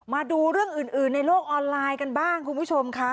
มาดูเรื่องอื่นในโลกออนไลน์กันบ้างคุณผู้ชมค่ะ